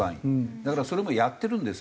だからそれもやってるんです。